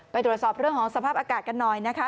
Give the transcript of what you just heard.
ตรวจสอบเรื่องของสภาพอากาศกันหน่อยนะคะ